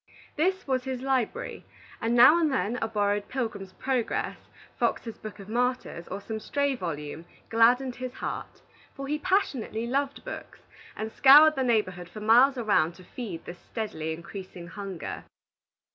This was his library; and now and then a borrowed "Pilgrim's Progress," "Fox's Book of Martyrs," or some stray volume, gladdened his heart; for he passionately loved books, and scoured the neighborhood for miles around to feed this steadily increasing hunger.